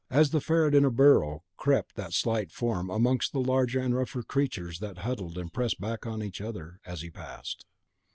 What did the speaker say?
As the ferret in a burrow crept that slight form amongst the larger and rougher creatures that huddled and pressed back on each other as he passed.